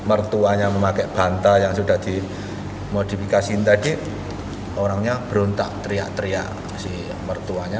orangnya memakai bantal yang sudah dimodifikasiin tadi orangnya beruntak teriak teriak si mertuanya